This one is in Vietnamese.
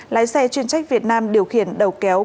lái xe chuyên trách việt nam điều khiển đầu kéo